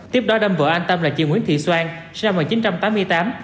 tiếp đó đâm vợ anh tâm là chị nguyễn thị xoan sinh năm một nghìn chín trăm tám mươi tám